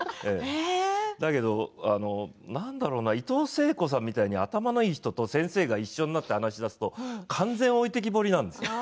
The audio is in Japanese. だけど、なんだろうないとうせいこうさんみたいに頭のいい人と先生が一緒になって話しだすと完全に置いてきぼりなんです。